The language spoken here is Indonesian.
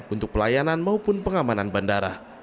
untuk pelayanan maupun pengamanan bandara